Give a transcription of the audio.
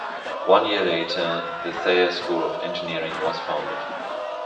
One year later, the Thayer School of Engineering was founded.